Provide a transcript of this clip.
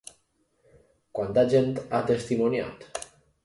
Quanta gent ha testimoniat?